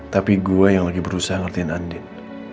tapi gue yang lagi berusaha ngertiin andin